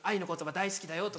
「大好きだよ」とか。